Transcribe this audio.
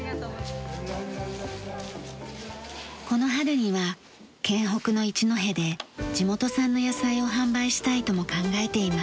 この春には県北の一戸で地元産の野菜を販売したいとも考えています。